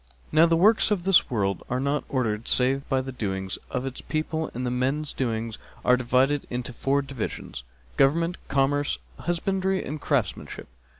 Now the works of this world are not ordered save by the doings of its people, and men's doings are divided into four divisions, government, commerce, husbandry and craftsmanship.